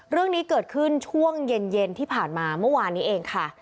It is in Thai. เรื่องนี้เกิดขึ้นช่วงเย็นที่ผ่านมาเมื่อวานนี้เองค่ะ